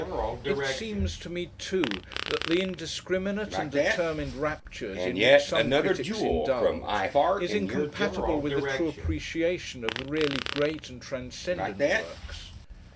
It seems to me, too, that the indiscriminate and determined raptures in which some critics indulge, is incompatible with the true appreciation of the really great and transcendent works.